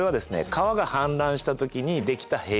川が氾濫した時に出来た平地。